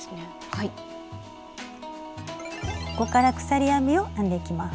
ここから鎖編みを編んでいきます。